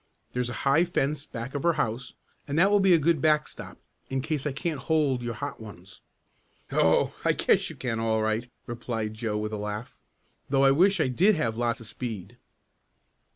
There's a high fence back of her house and that will be a good backstop, in case I can't hold your hot ones." "Oh, I guess you can all right," replied Joe with a laugh, "though I wish I did have lots of speed."